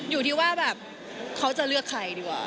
อยู่ที่ว่าแบบเขาจะเลือกใครดีกว่า